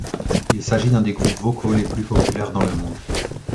Il s'agit d'un des groupes vocaux les plus populaires dans le monde.